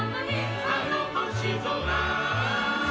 「あの星空」